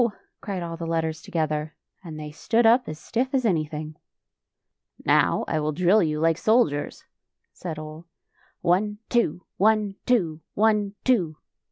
cried all the letters together, and they stood up as stiff as any thing. " Now I will drill you like soldiers," said Ole. " One, two; one, two; one, two."